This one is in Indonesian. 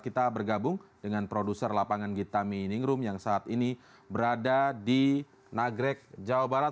kita bergabung dengan produser lapangan gita miningrum yang saat ini berada di nagrek jawa barat